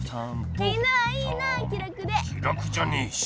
気楽じゃねえし